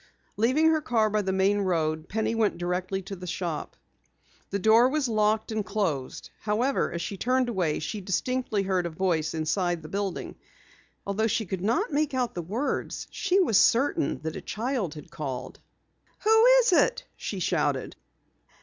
Leaving her car by the main road, Penny went directly to the shop. The door was closed and locked. However, as she turned away, she distinctly heard a voice inside the building. Although she could not make out the words, she was certain that a child had called. "Who is it?" she shouted.